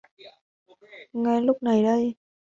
Ngay lúc này đây